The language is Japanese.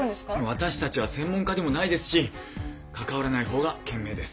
私たちは専門家でもないですし関わらない方が賢明です。